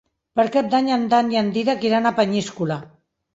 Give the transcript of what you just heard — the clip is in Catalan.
Per Cap d'Any en Dan i en Dídac iran a Peníscola.